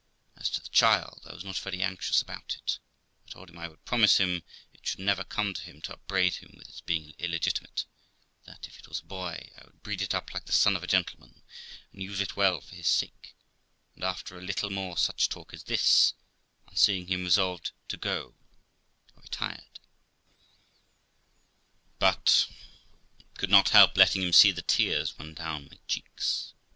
As to the child, I was not very anxious about it. I told him I would promise him it should never come to him to upbraid him with its being illegitimate ; that, if it was a boy, I would breed it up like the son of a gentleman, and use it well for his sake; and after a little more such talk as this, and seeing him resolved to go, I retired, but could not help letting him see the tears run down my cheeks.